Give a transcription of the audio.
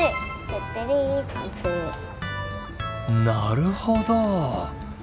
なるほど。